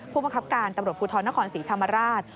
ผู้ประครับการตำรวจผู้ททนนครศรีธรรมาราช